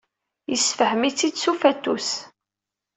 Yessefhem-tt-id s ufatus.